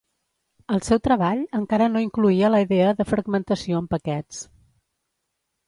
El seu treball encara no incloïa la idea de fragmentació en paquets.